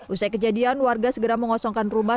usai kejadian warga segera mengosongkan rumah